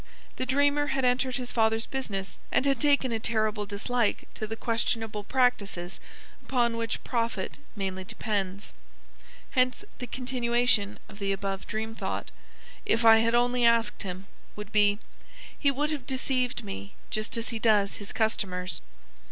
The dreamer had entered his father's business, and had taken a terrible dislike to the questionable practices upon which profit mainly depends. Hence the continuation of the above dream thought ("if I had only asked him") would be: "He would have deceived me just as he does his customers."